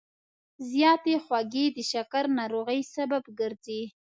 زیاتې خوږې د شکر ناروغۍ سبب ګرځي.